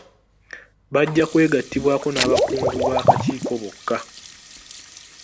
Bajja kwegatiibwaako n'abakungu b'akakiiko bokka.